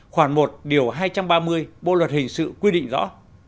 khoảng một điều hai trăm ba mươi bộ luật hình sự quy định rõ